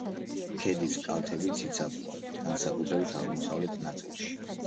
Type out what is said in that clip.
ქედის კალთები ციცაბოა, განსაკუთრებით აღმოსავლეთ ნაწილში.